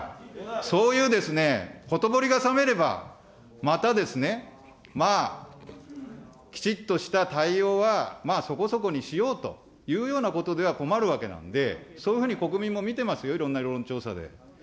そういうほとぼりが冷めれば、また、まあ、きちっとした対応はまあそこそこにしようというようなことでは困るわけなんで、そういうふうに国民が見てますよ、いろんな世論調査で。